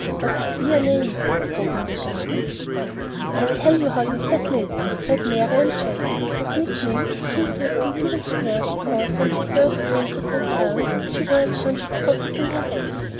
What a queer name, Odin's Garden!" "I'll tell you how to settle it," cried Marian Chase, whose nickname it seemed had been given her because when she first came to St. Helen's she wore a bunch of poppies in her hat.